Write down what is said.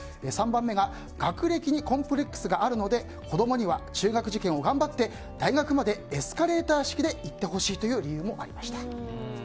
３番目が学歴にコンプレックスがあるので子供には中学受験を頑張って大学までエスカレーター式で行ってほしいという理由もありました。